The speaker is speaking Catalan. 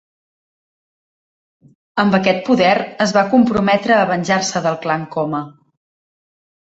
Amb aquest poder, es va comprometre a venjar-se del clan Koma.